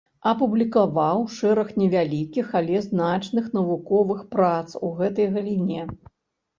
Апублікаваў шэраг невялікіх, але значных навуковых прац у гэтай галіне.